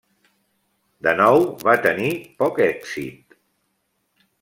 De nou va tenir poc èxit.